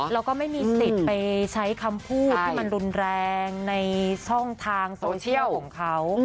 แล้วก็ไม่มีสิทธิ์ไปใช้คำพูดที่มันรุนแรงในช่องทางโซเชียลของเขา